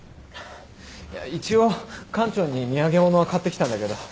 一応館長に土産物は買ってきたんだけど。